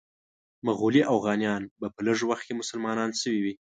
مغولي اوغانیان به په لږ وخت کې مسلمانان شوي وي.